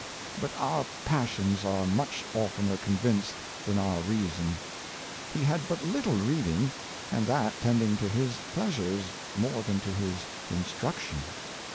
But our Passions are much oftener convinced than our Reason. He had but little Reading, and that tending to his Pleasures more than to his Instruction.